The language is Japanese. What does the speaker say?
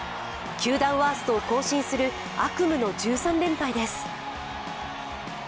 球団ワーストを更新する悪夢の１３連敗です。